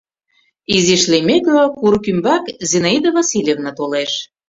Изиш лиймеке, курык ӱмбак Зинаида Васильевна толеш.